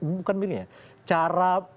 bukan milih ya